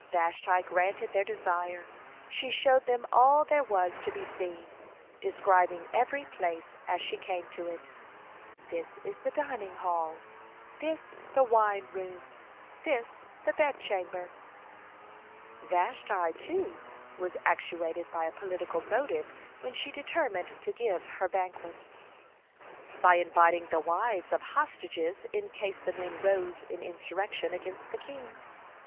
Vashti gratified their desire. She showed them all there was to be seen, describing every place as she came to it: This is the dining hall, this the wine room, this the bed chamber. (29) Vashti, too, was actuated by a political motive when she determined to give her banquet. By inviting the wives of hostages in case the men rose in insurrection against the king.